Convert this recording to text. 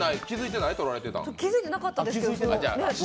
気づいてないですけど。